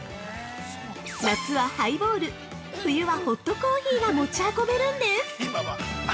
夏はハイボール冬はホットコーヒーが持ち運べるんです。